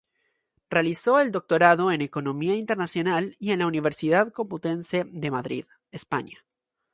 Realizó el Doctorado en Economía Internacional en la Universidad Complutense de Madrid, España.